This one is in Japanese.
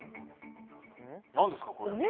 何ですか、これ。